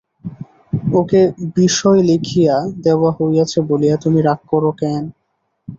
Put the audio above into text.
ওকে বিষয় লিখিয়া দেওয়া হইয়াছে বলিয়া তুমি রাগ কর কেন!